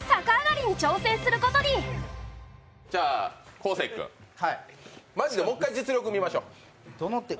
昴生君、マジでもう一回実力見ましょう。